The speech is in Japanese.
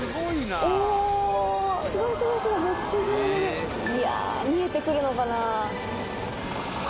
あぁいや見えてくるのかな？